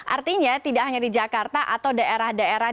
artinya tidak hanya di jakarta atau daerah daerah